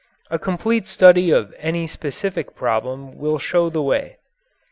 A complete study of any specific problem will show the way.